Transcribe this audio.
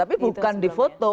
tapi bukan di foto